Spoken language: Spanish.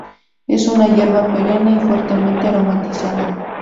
Es una hierba perenne y fuertemente aromatizada.